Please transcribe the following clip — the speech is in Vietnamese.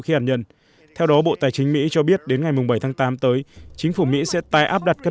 khí hạt nhân theo đó bộ tài chính mỹ cho biết đến ngày bảy tháng tám tới chính phủ mỹ sẽ tái áp đặt các